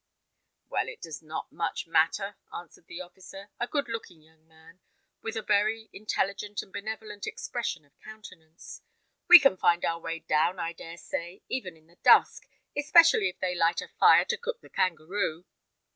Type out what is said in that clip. "Well, it does not much matter," answered the officer, a good looking young man, with a very intelligent and benevolent expression of countenance. "We can find our way down, I dare say, even in the dusk, especially if they light a fire to cook the kangaroo."